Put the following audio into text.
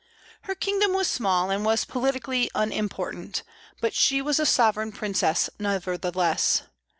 Her kingdom was small, and was politically unimportant; but she was a sovereign princess nevertheless.